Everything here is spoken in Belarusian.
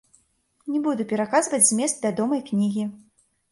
Не буду пераказваць змест вядомай кнігі.